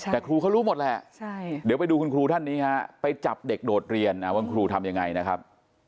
แต่ครูเขารู้หมดแหละเดี๋ยวไปดูคุณครูท่านนี้ฮะไปจับเด็กโดดเรียนว่าครูทำยังไงนะครับ